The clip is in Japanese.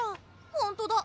ほんとだ。